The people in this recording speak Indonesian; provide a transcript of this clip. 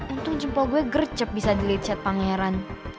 untung jempol gue gercep bisa delete chat pangeran